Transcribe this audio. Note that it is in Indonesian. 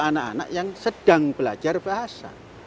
anak anak yang sedang belajar bahasa